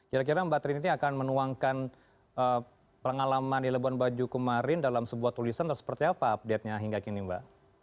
kira kira mbak trinity akan menuangkan pengalaman di labuan bajo kemarin dalam sebuah tulisan atau seperti apa update nya hingga kini mbak